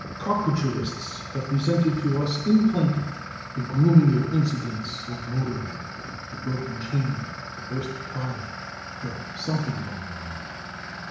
Caricaturists have presented to us in plenty the gloomier incidents of motoring the broken chain, the burst tyre, the "something gone wrong."